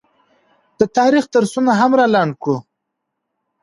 د تاریخ درسونه هم رالنډ کړو